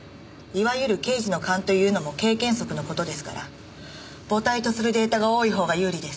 いわゆる刑事の勘というのも経験則の事ですから母体とするデータが多いほうが有利です。